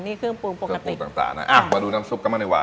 นี่เครื่องปรุงปกติเครื่องปรุงต่างต่างอ่ะมาดูน้ำซุปกำลังในหวาน